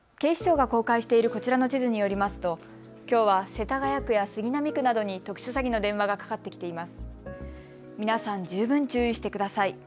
警視庁が公開しているこちらの地図によりますときょうは世田谷区や杉並区などに特殊詐欺の電話がかかってきています。